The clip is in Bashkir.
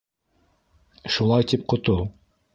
— Шулай тип ҡотол!